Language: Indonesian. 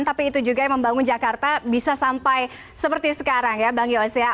tapi itu juga yang membangun jakarta bisa sampai seperti sekarang ya bang yos ya